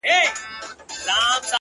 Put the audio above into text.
لمر چي د ميني زوال ووهي ويده سمه زه،